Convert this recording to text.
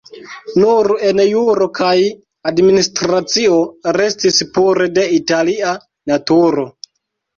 Nur en juro kaj administracio restis pure de Italia naturo.